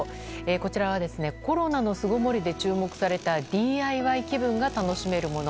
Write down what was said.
こちらはコロナの巣ごもりで注目されたＤＩＹ気分が楽しめるもの。